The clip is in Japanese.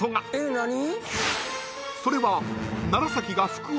［それは］